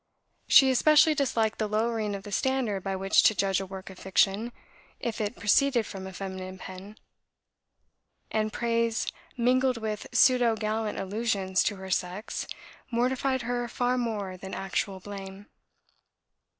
She especially disliked the lowering of the standard by which to judge a work of fiction, if it proceeded from a feminine pen; and praise mingled with pseudo gallant allusions to her sex, mortified her far more than actual blame.